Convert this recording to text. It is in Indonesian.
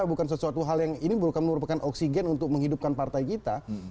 bukan sesuatu hal yang ini merupakan oksigen untuk menghidupkan partai kita